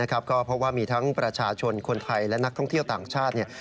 ก็เพราะว่ามีทั้งประชาชนคนไทยและนักท่องเที่ยวต่างชาติ